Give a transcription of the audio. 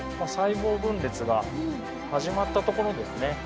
細胞分裂が始まったところですね。